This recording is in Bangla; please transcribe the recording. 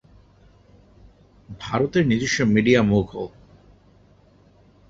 ভারতের নিজস্ব মিডিয়া মুঘল।